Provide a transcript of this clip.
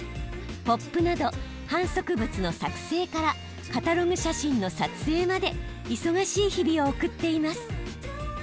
ポップなど販促物の作成からカタログ写真の撮影まで忙しい日々を送っています。